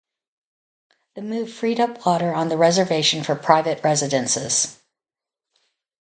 The move freed up water on the reservation for private residences.